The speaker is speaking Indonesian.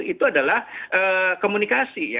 itu adalah komunikasi ya